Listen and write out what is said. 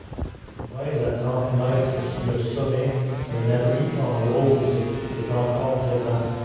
Vingt à trente mètres sous le sommet, un abri en lauze est encore présent.